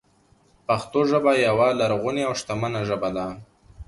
پښتو ژبه یوه لرغونې او شتمنه ژبه ده.